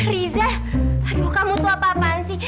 riza aduh kamu tuh apa apaan sih